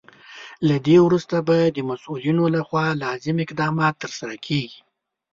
له دې وروسته به د مسولینو لخوا لازم اقدامات ترسره کیږي.